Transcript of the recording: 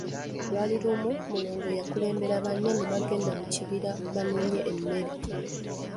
Lwali lumu, Mulongo yakulembera banne ne bagenda mu kibira banoonye emmere.